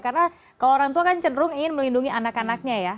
karena kalau orang tua kan cenderung ingin melindungi anak anaknya ya